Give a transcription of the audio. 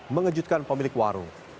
mengejutkan pemilik warung